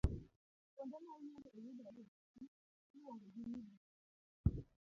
Kuonde ma yiende yudore e piny, iluongogi ni bunge